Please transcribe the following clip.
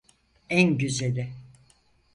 En güzeli.